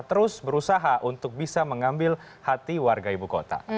terus berusaha untuk bisa mengambil hati warga ibu kota